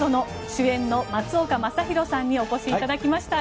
主演の松岡昌宏さんにお越しいただきました。